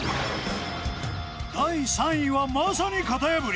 第３位はまさに型破り！